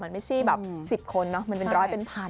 มันไม่ใช่แบบ๑๐คนเนอะมันเป็นร้อยเป็นพัน